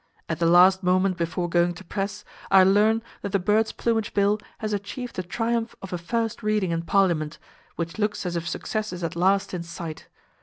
At the last moment before going to press I learn that the birds' plumage bill has achieved the triumph of a "first reading" in Parliament, which looks as if success is at last in sight.